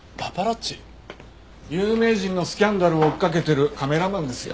有名人のスキャンダルを追っかけてるカメラマンですよ。